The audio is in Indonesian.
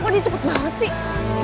kok dia cepet banget sih